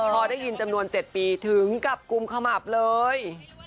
พอได้ยินจำนวน๗ปีถึงกับกุมขมับเลย